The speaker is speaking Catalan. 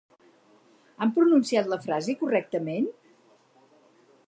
Han pronunciat la frase correctament?